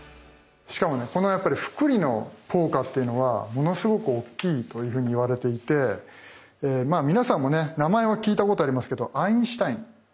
しかもねこの複利の効果っていうのはものすごく大きいというふうに言われていて皆さんもね名前は聞いたことありますけどアインシュタイン。